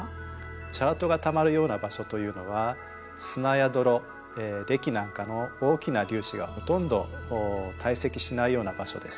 チャートがたまるような場所というのは砂や泥れきなんかの大きな粒子がほとんど堆積しないような場所です。